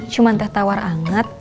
cuman teh tawar anget